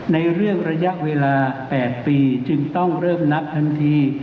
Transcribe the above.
ในเรื่องระยะเวลา๘ปีจึงต้องเริ่มนับทันที